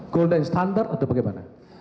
golden standard atau bagaimana